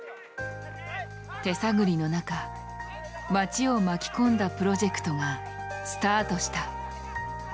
手探りの中町を巻き込んだプロジェクトがスタートした。